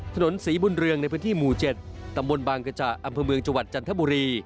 ถนนศรีบุญเรืองในพื้นที่หมู่๗ตำบลบางกระจ่าอำเภอเมืองจังหวัดจันทบุรี